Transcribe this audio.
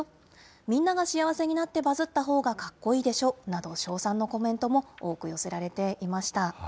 みんなが幸せになってバズったほうがかっこいいでしょなど、称賛のコメントも多く寄せられていました。